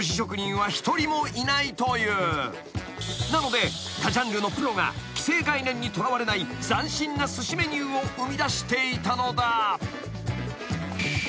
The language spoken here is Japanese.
［なので他ジャンルのプロが既成概念にとらわれない斬新なすしメニューを生みだしていたのだ］